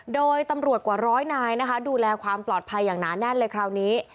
โดยตำรวจกว่าร้อยนายนะคะดูแลความปลอดภัยอย่างหนาแน่นเลยคราวนี้